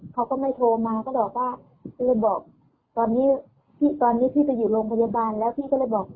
เขาก็ไม่โทรมาก็บอกว่าก็เลยบอกตอนนี้พี่ตอนนี้พี่ไปอยู่โรงพยาบาลแล้วพี่ก็เลยบอก